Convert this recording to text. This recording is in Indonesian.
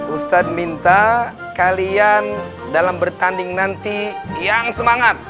ustadz minta kalian dalam bertanding nanti yang semangat